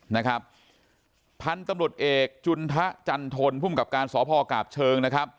นะครับพันธุ์ตำรวจเอกจุนทะจันทนภูมิกับการสพกาบเชิงนะครับ